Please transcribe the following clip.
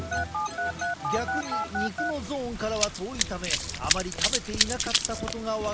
逆に肉のゾーンからは遠いためあまり食べていなかったことが分かるのだ。